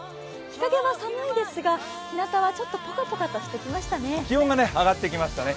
日陰は寒いですが、ひなたはちょっとぽかぽかとしてきましたね。